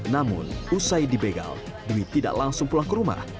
namun usai dibegal dwi tidak langsung pulang ke rumah